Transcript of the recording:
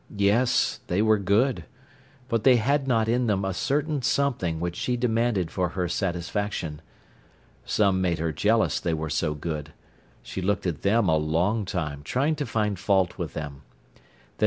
Yes, they were good. But they had not in them a certain something which she demanded for her satisfaction. Some made her jealous, they were so good. She looked at them a long time trying to find fault with them.